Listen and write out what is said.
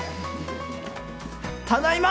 ただいま！